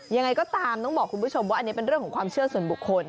ยังไงก็ตามต้องบอกคุณผู้ชมว่าอันนี้เป็นเรื่องของความเชื่อส่วนบุคคล